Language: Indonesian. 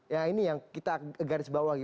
ya ini yang kita garis bawah lagi